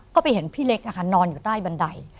ก็ไปเห็นพี่เล็กนอนอยู่ใต้บันได